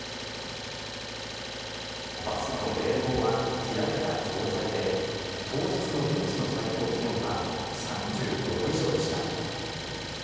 バスの冷房は切られた状態で当日の現地の最高気温は３５度以上でした。